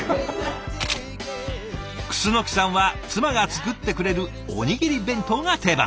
楠さんは妻が作ってくれるおにぎり弁当が定番。